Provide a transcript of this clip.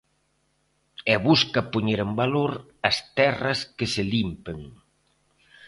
E busca poñer en valor as terras que se limpen.